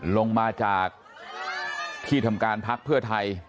ลงมาจากที่ทำการพักเพื่อไทย